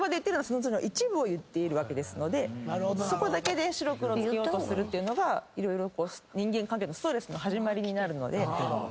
一部を言っているわけですのでそこだけで白黒つけようとするっていうのが人間関係のストレスの始まりになるので。